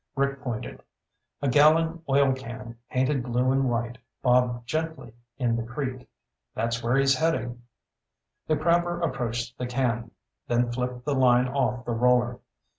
Rick pointed. A gallon oilcan, painted blue and white, bobbed gently in the creek. "That's where he's heading." The crabber approached the can, then flipped the line off the roller.